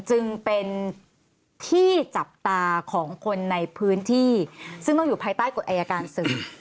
จึงเป็นที่จับตาของคนในพื้นที่ซึ่งต้องอยู่ภายใต้กฎอายการศึก